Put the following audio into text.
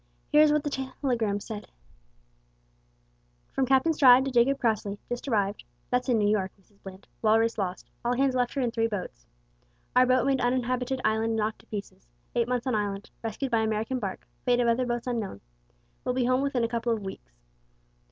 Here is what the telegram says: "`From Captain Stride to Jacob Crossley. Just arrived, (that's in New York, Mrs Bland); Walrus lost. All hands left her in three boats. "`Our boat made uninhabited island, and knocked to pieces. Eight months on the island. Rescued by American barque. Fate of other boats unknown. Will be home within a couple of weeks.'"